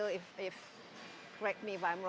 jika saya benar